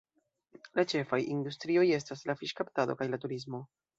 La ĉefaj industrio estas la fiŝkaptado kaj la turismo.